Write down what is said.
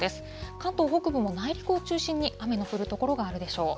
関東北部の内陸を中心に雨の降る所があるでしょう。